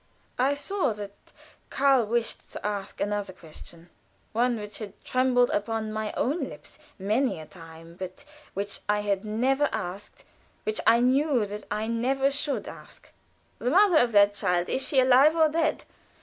I saw that Karl wished to ask another question; one which had trembled upon my own lips many a time, but which I had never asked which I knew that I never should ask. "The mother of that child is she alive or dead?